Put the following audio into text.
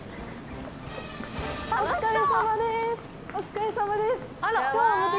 お疲れさまです！